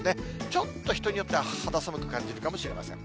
ちょっと人によっては、肌寒く感じるかもしれません。